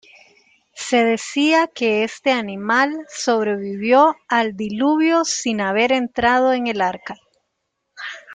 Se decía que este animal sobrevivió al Diluvio sin haber entrado en el Arca.